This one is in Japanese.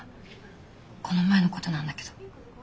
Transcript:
この前のことなんだけど。